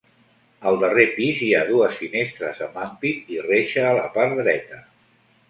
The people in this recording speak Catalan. Al darrer pis, hi ha dues finestres amb ampit i reixa a la part dreta.